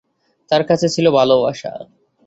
তার কাছে ছিলো ভালবাসা।